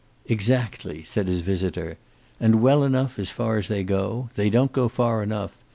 "Exactly," said his visitor. "And well enough as far as they go. They don't go far enough.